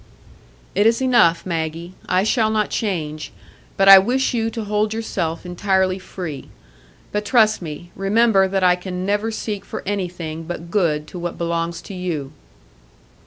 "It is enough, Maggie. I shall not change; but I wish you to hold yourself entirely free. But trust me; remember that I can never seek for anything but good to what belongs to you."